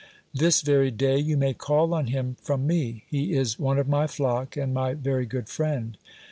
This very day you may call on him from me ; he is one of my flock, and my very good friend.